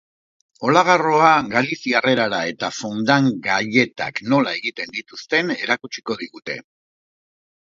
Olagarroa galiziar erara eta fondant gailetak nola egiten dituzten erakutsiko digute.